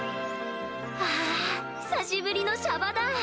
あぁ久しぶりのシャバだ！